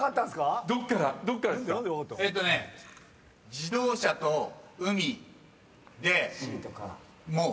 自動車と海でもう。